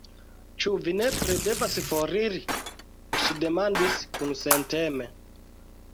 Ĉu vi nepre devas foriri? ŝi demandis kunsenteme.